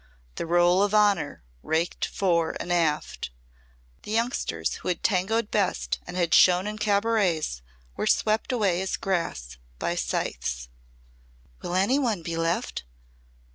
The Roll of Honour raked fore and aft. The youngsters who had tangoed best and had shone in cabarets were swept away as grass by scythes. "Will any one be left?"